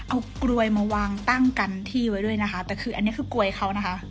เอากลวยมาวางตั้งกันที่ไว้ด้วยนะคะแต่คืออันนี้คือกลวยเขานะคะ